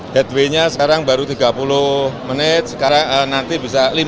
headway nya sekarang baru tiga puluh menit sekarang nanti bisa lima puluh